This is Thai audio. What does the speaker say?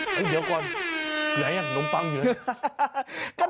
เฮ้ยเฮ้ยเดี๋ยวก่อนอย่างนมปังอยู่แล้ว